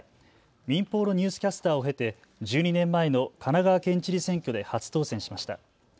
民放のニュースキャスターを経て、１２年前の神奈川県知事選挙で初当選しました。